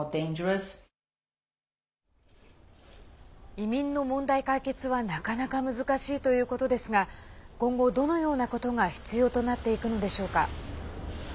移民の問題解決はなかなか難しいということですが今後どのようなことが必要となっていくのでしょうか。